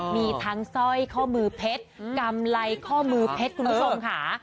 มีทั้งสร้อยข้อมือเพชรกำไรข้อมือเพชรคุณผู้ชมค่ะ